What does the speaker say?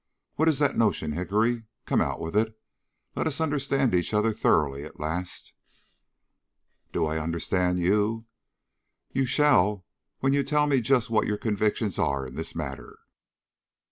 What is that notion, Hickory? Come, out with it; let us understand each other thoroughly at last." "Do I understand you?" "You shall, when you tell me just what your convictions are in this matter."